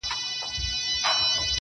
څه مطلب لري سړی نه په پوهېږي؛